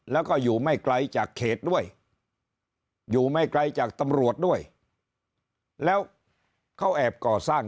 แล้วก็อยู่ไม่ไกลจากเขตด้วยอยู่ไม่ไกลจากตำรวจด้วยแล้วเขาแอบก่อสร้าง